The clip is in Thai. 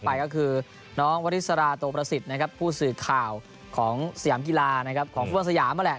ไปก็คือน้องวัฒิสาราตัวประสิทธิ์นะครับผู้สื่อข่าวของศาลกีฬาของฟุตซาหมาแหละ